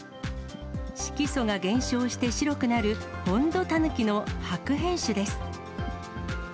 色素が減少して白くなる、ホンドタヌキの白変種です。